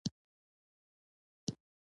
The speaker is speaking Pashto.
مځکه د سولې او مینې ځای ده.